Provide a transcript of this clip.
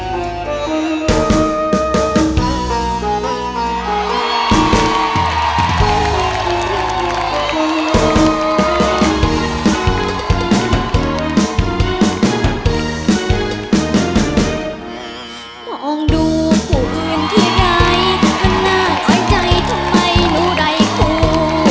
ฟังดูของเพื่อนที่รักมันน่าอ้อยใจทำไมมูลใดครู